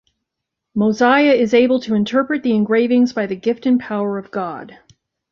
Mosiah is able to interpret the engravings by the gift and power of God.